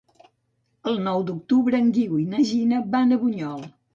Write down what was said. El nou d'octubre en Guiu i na Gina van a Bunyol.